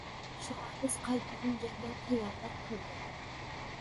شۇڭا بىز قايتىدىن جەڭگە تەييارلىق كۆردۇق.